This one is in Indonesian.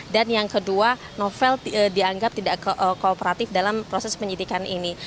dan yang kedua novel dianggap tidak kooperatif dalam proses penyidikan ini